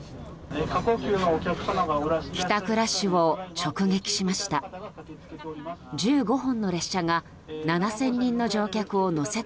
帰宅ラッシュを直撃しました。